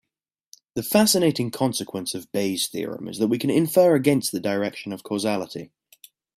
The fascinating consequence of Bayes' theorem is that we can infer against the direction of causality.